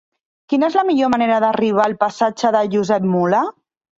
Quina és la millor manera d'arribar al passatge de Josep Mula?